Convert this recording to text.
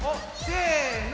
せの！